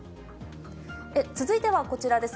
続いてはこちらです。